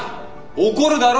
怒るだろ？